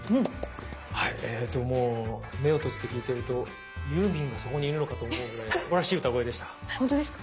はいえともう目を閉じて聞いてるとユーミンがそこにいるのかと思うぐらいすばらしい歌声でした。